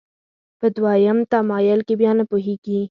په دویم تمایل کې بیا نه پوهېږي.